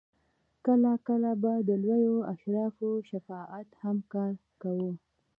کله کله به د لویو اشرافو شفاعت هم کار کاوه.